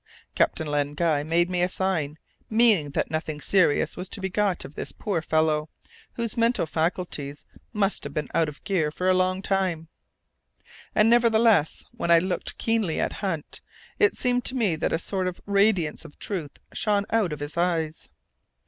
Captain Len Guy made me a sign, meaning that nothing serious was to be got out of this poor fellow, whose mental faculties must have been out of gear for a long time. And nevertheless, when I looked keenly at Hunt, it seemed to me that a sort of radiance of truth shone out of his eyes.